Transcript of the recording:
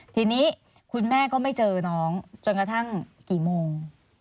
ทีนี้คุณแม่ก็ไม่เจอน้องจนกระทั่งกี่โมง